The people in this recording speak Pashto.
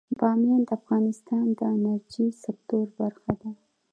بامیان د افغانستان د انرژۍ سکتور برخه ده.